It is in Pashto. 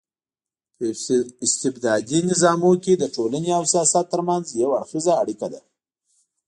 په استبدادي نظامونو کي د ټولني او سياست ترمنځ يو اړخېزه اړيکه ده